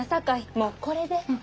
もうこれで。